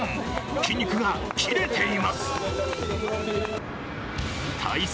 筋肉がキレています。